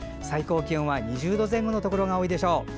最高気温は２０度前後のところが多いでしょう。